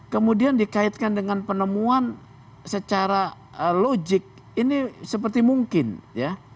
kemudian dikaitkan dengan penemuan secara logik ini seperti mungkin ya